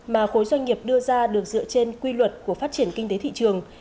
mà khối doanh nghiệp đưa ra được dựa trên quy luật của phát triển kinh tế thị trường